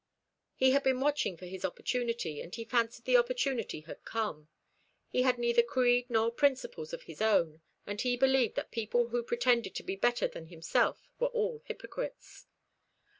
He had been watching for his opportunity, and he fancied the opportunity had come. He had neither creed nor principles of his own, and he believed that people who pretended to be better than himself were all hypocrites.